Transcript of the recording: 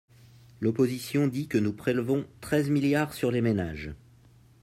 L’opposition dit que nous prélevons treize milliards sur les ménages.